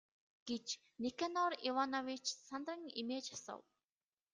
гэж Никанор Иванович сандран эмээж асуув.